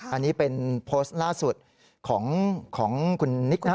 อันนี้เป็นโพสต์ล่าสุดของคุณนิกนะ